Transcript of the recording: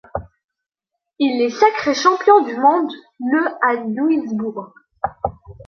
Il est sacré champion du monde le à Duisbourg.